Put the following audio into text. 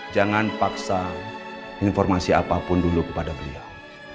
jangan paksa informasi apapun dulu kepada beliau